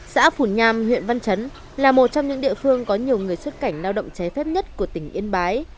xã phủ nham huyện văn chấn là một trong những địa phương có nhiều người xuất cảnh lao động cháy phép nhất của tỉnh yên bái